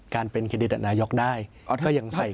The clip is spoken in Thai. การเป็นคันดิเดตนายกได้